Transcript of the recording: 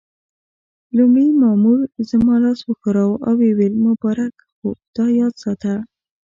لومړي مامور زما لاس وښوراوه او ويې ویل: مبارک، خو دا یاد ساته.